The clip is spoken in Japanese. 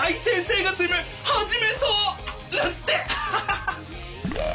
ハハハハ。